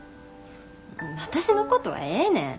私のことはええねん。